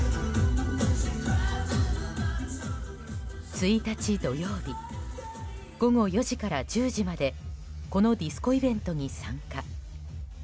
１日土曜日午後４時から１０時までこのディスコイベントに参加。